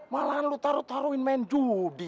malah lu taro taro main judi